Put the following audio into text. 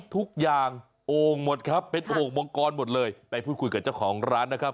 ทุกอย่างโอ่งหมดครับเป็นโอ่งมังกรหมดเลยไปพูดคุยกับเจ้าของร้านนะครับ